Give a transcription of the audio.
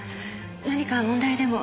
何か問題でも？